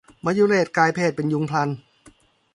มยุเรศกลายเพศเป็นยูงพลัน